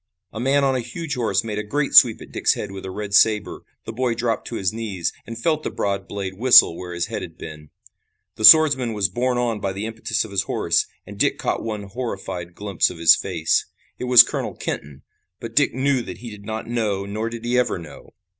A man on a huge horse made a great sweep at Dick's head with a red saber. The boy dropped to his knees, and felt the broad blade whistle where his head had been. The swordsman was borne on by the impetus of his horse, and Dick caught one horrified glimpse of his face. It was Colonel Kenton, but Dick knew that he did not know, nor did he ever know.